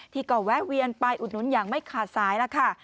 ที่ก็แวะเวียนไปอุดหนุนอย่างไม่ขาดสายแล้วค่ะ